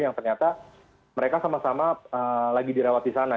yang ternyata mereka sama sama lagi dirawat di sana